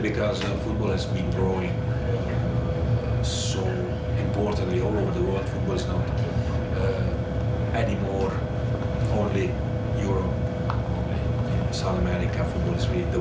มีโอกาสที่วิเครียมที่๘แถมเพียงแถมอีกอย่างไหม